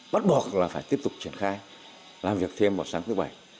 bắt buộc là phải tiếp tục triển khai làm việc thêm vào sáng thứ bảy